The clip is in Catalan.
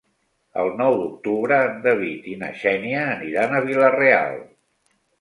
El nou d'octubre en David i na Xènia aniran a Vila-real.